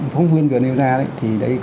phóng viên vừa nêu ra đấy